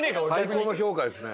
最高の評価ですね。